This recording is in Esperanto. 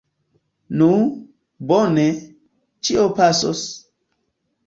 Nu, bone, ĉio pasos!